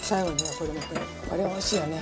これおいしいよね。